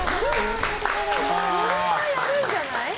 これはやるんじゃない？